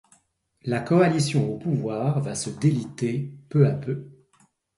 La coalition au pouvoir va se déliter peu à peu.